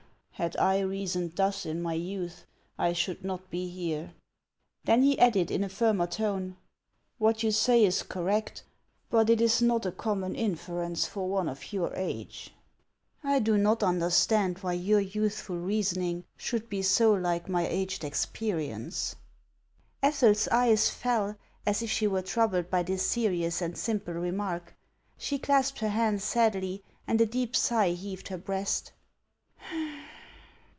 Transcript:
"Had I reasoned thus in my youth, I should not be here." Then he added in a firmer tone :" What you say is correct, but it is not a common inference for one of your age. I do not understand why your youthful reasoning should be so like my aged experience." Ethel's eyes fell, as if she were troubled by this serious and simple remark. She clasped her hands sadly, and a deep sigh heaved her breast.